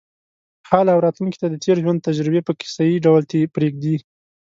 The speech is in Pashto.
حال او راتلونکې ته د تېر ژوند تجربې په کیسه یې ډول پرېږدي.